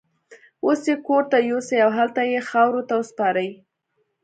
اوس يې ګور ته يوسئ او هلته يې خاورو ته وسپارئ.